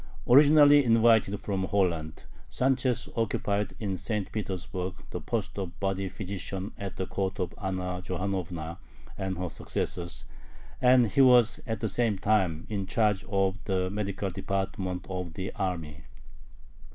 Originally invited from Holland, Sanchez occupied in St. Petersburg the post of body physician at the courts of Anna Johannovna and her successors, and he was at the same time in charge of the medical department of the army.